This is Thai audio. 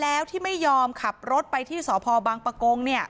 แล้วที่ไม่ยอมขับรถไปที่สพบังปะกง